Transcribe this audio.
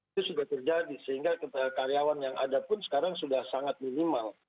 itu sudah terjadi sehingga karyawan yang ada pun sekarang sudah sangat minimal